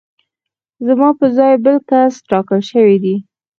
زما په ځای بل کس ټاکل شوی دی